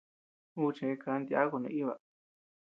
Ú cheʼë ká nutyáku naíba.